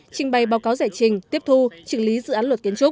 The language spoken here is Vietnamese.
trình bày báo cáo giải trình tiếp thu trình lý dự án luật kiến trúc